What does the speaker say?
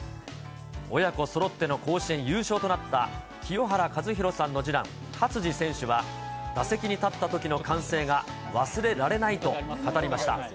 親子そろっての甲子園優勝となった清原和博さんの次男、勝児選手は、打席に立ったときの歓声が忘れられないと語りました。